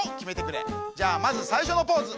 じゃあまずさいしょのポーズ。